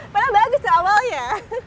padahal bagus awalnya